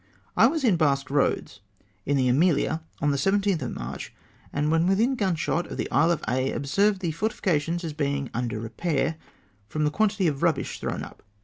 — "I was in Basque Koads, in the Amelia, on the 17th of March, and Avhen within gunshot of the Isle of Aix observed the fortifications as being under repair, from the quantity of rubbish thrown up.